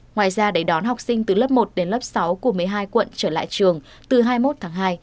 ngoài ra để đón học sinh từ lớp một đến lớp sáu của một mươi hai quận trở lại trường từ hai mươi một tháng hai